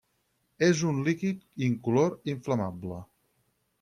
És un líquid incolor inflamable.